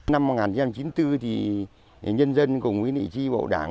năm một nghìn chín trăm chín mươi bốn nhân dân cùng với nữ tri bộ đàn